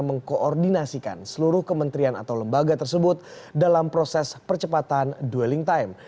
mengkoordinasikan seluruh kementerian atau lembaga tersebut dalam proses percepatan dwelling time